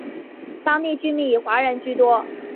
当地居民以华人居多。